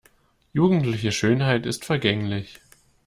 Jugendliche Schönheit ist vergänglich.